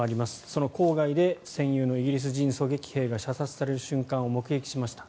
その郊外で戦友のイギリス人狙撃兵が射殺される瞬間を目撃しました。